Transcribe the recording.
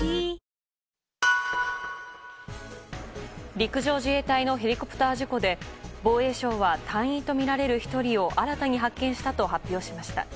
陸上自衛隊のヘリコプター事故で防衛省は隊員とみられる１人を新たに発見したと発表しました。